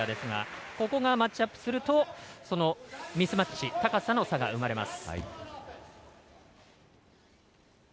ここがマッチアップするとミスマッチ高さの差が生まれます。